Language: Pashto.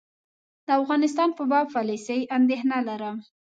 د افغانستان په باب پالیسي اندېښنه لرم.